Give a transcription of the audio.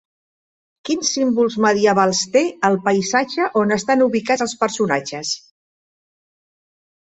Quins símbols medievals té el paisatge on estan ubicats els personatges?